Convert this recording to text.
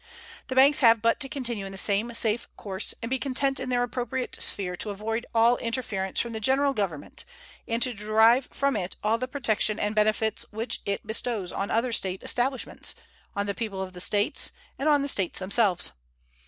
The banks have but to continue in the same safe course and be content in their appropriate sphere to avoid all interference from the General Government and to derive from it all the protection and benefits which it bestows on other State establishments, on the people of the States, and on the States themselves.